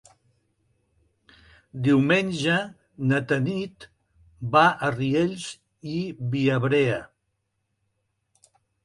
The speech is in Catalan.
Diumenge na Tanit va a Riells i Viabrea.